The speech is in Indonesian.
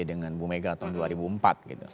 dengan bu mega tahun dua ribu empat gitu